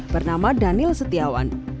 bernama daniel setiawan